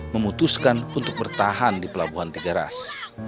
memutuskan untuk bertahan di pelabuhan tiga ras